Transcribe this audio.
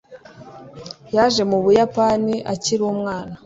yaje mu buyapani akiri umwana